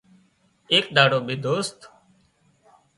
ايڪ ۮاڙو ٻي دوست